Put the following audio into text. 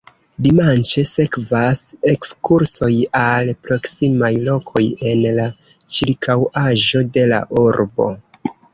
Dimanĉe sekvas ekskursoj al proksimaj lokoj en la ĉirkaŭaĵo de la urbo.